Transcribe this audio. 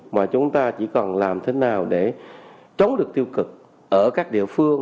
mà chúng ta chỉ cần làm thế nào để chống được tiêu cực ở các địa phương